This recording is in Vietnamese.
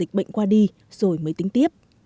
dịch bệnh qua đi rồi mới tính tiếp